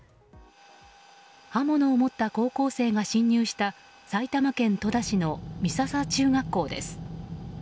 刃物を持った高校生が侵入した埼玉県戸田市の美笹中学校です。